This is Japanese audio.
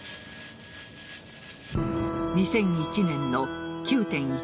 ２００１年の９．１１。